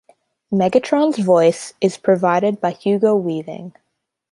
Megatron's voice is provided by Hugo Weaving.